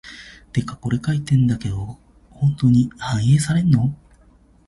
てかこれ書いてるけど、本当に反映されんの？